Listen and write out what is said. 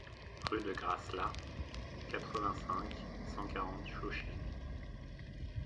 Rue de Grasla, quatre-vingt-cinq, cent quarante Chauché